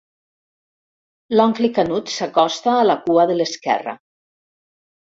L'oncle Canut s'acosta a la cua de l'esquerra.